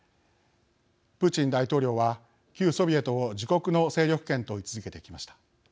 プーチン大統領は旧ソビエトを自国の勢力圏と位置づけてきました。